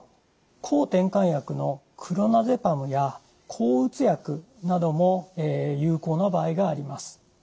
抗てんかん薬のクロナゼパムや抗うつ薬なども有効な場合があります。